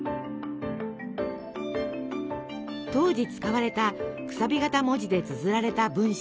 当時使われたくさび形文字でつづられた文章。